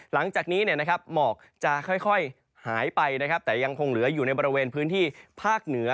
หลังจากนี้หมอกจะค่อยหายไปนะครับแต่ยังคงเหลืออยู่ในบริเวณพื้นที่ภาคเหนือ